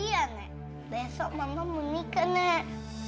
iya nek besok mama menikah nek